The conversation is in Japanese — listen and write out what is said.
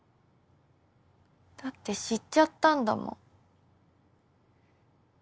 だって知っちゃったんだもん。